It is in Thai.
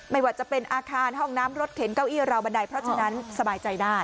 ไม่ว่าจะเป็นอาคารห้องน้ำรถเข็นเก้าอี้ราวบันไดเพราะฉะนั้นสบายใจได้